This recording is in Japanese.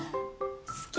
好き。